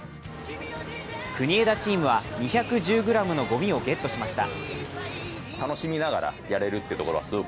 国枝チームは２１０ｇのごみをゲットしました。